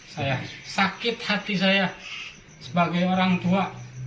saya sakit hati saya sebagai orang tua